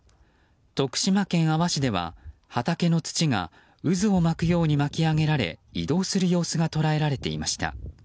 徳島県阿波市では、畑の土が渦を巻くように巻き上げられ移動する様子が捉えられていました。